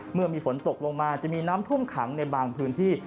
เมื่อมีฝนตกลงมาจะมีน้ำท่วมขังในบางพื้นที่